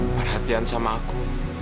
perhatian sama aku